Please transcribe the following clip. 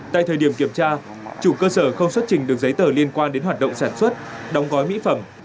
tại thời điểm kiểm tra chủ cơ sở không xuất trình được giấy tờ liên quan đến hoạt động sản xuất đóng gói mỹ phẩm